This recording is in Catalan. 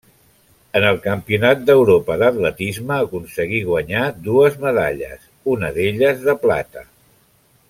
En el Campionat d'Europa d'atletisme aconseguí guanyar dues medalles, una d'elles de plata.